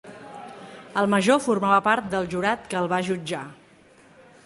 El major formava part del jurat que el va jutjar.